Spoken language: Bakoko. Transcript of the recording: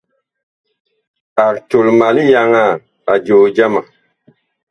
Ag tol ma liyaŋaa la joo jama.